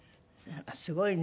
すごいね。